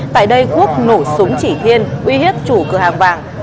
tại đây quốc nổ súng chỉ thiên uy hiếp chủ cửa hàng vàng